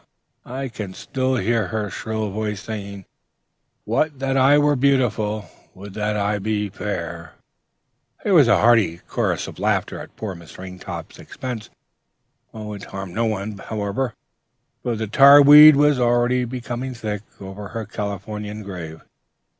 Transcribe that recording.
I can still hear her shrill voice singing, 'Would that I were beautiful, would that I were fair!'" There was a hearty chorus of laughter at poor Miss Ringtop's expense. It harmed no one, however; for the tar weed was already becoming thick over her Californian grave.